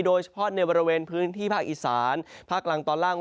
โดยเฉพาะในบริเวณพื้นที่ภาคอีสานภาคกลางตอนล่าง